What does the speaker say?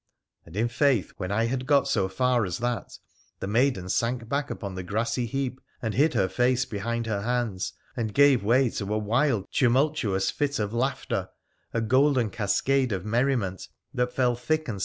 ' And, in faith, when I had got so far as that, the maiden sank back upon a grassy heap and hid her face behind her hands, and gave way to a wild, tumultuous fit of laughter, a golden cascade of merriment that fell thick and